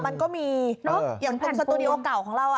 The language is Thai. มันก็มีอย่างตรงสตูดิโอเก่าของเรา